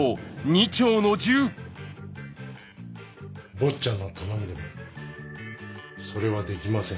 坊ちゃんの頼みでもそれはできません。